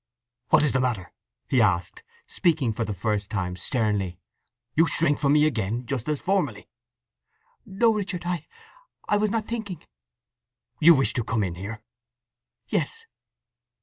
"What's the matter?" he asked, speaking for the first time sternly. "You shrink from me again?—just as formerly!" "No, Richard—I—I—was not thinking—" "You wish to come in here?" "Yes."